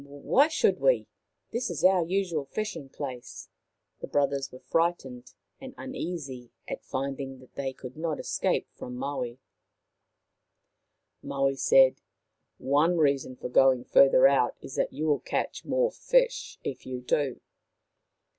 " Why should we ? This is our usual fishing place." The brothers were frightened and un easy at finding that they could not escape from Maui. " Maui said :" One reason for going further out is that you will catch more fish if you do."